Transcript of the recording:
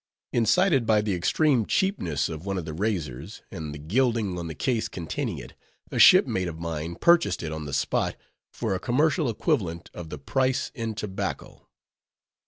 Incited by the extreme cheapness of one of the razors, and the gilding on the case containing it, a shipmate of mine purchased it on the spot for a commercial equivalent of the price, in tobacco.